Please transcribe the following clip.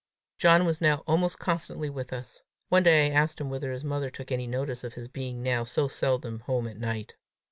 John was now almost constantly with us. One day I asked him whether his mother took any notice of his being now so seldom home at night.